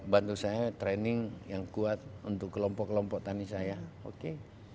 bantu saya training yang kuat untuk kelompok kelompok tani saya oke